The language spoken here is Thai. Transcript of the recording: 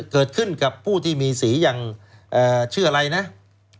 เกิดขึ้นกับผู้ที่มีศรีอย่างเอ่อชื่ออะไรนะอ่ะ